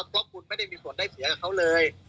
เพราะคุณไม่ได้มีส่วนได้เสียกับเขาเลย